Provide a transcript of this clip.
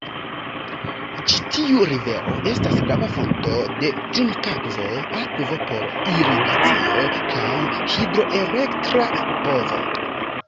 Ĉi tiu rivero estas grava fonto de trinkakvo, akvo por irigacio, kaj hidroelektra povo.